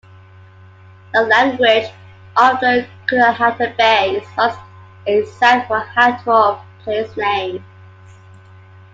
The language of the Guanahatabey is lost except for a handful of placenames.